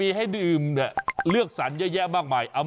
เออเหมือนชาดำเย็นแต่ยังหิม